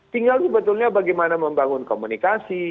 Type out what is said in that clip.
tinggal sebetulnya bagaimana membangun komunikasi